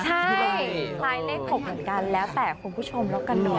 ใช่คล้ายเลข๖เหมือนกันแล้วแต่คุณผู้ชมแล้วกันเนอ